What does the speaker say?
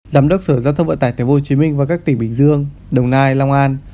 giám đốc sở giao thông vận tải tại hồ chí minh và các tỉnh bình dương đồng nai lòng an